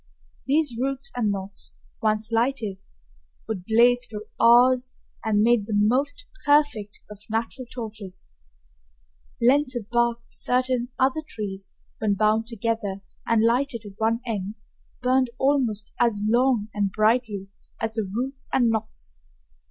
These roots and knots, once lighted, would blaze for hours and made the most perfect of natural torches. Lengths of bark of certain other trees when bound together and lighted at one end burned almost as long and brightly as the roots and knots.